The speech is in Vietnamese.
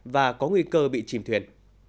và có nguy cơ bị chìm thuyền